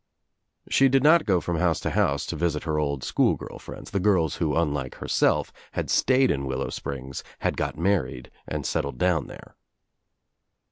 She did not go from house to house to visit her old schoolgirl friends, the girls who unlike herself had stayed in Willow Springs, had got married and settled down there.